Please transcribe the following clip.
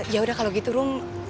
yaudah kalau gitu rum